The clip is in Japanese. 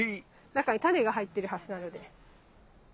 中にタネが入ってるはずなので。